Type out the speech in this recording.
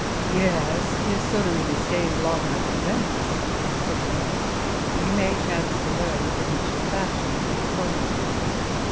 "Yes, if Soderini stays long enough at Venice," said Cennini, "he may chance to learn the Venetian fashion, and bring it home with him.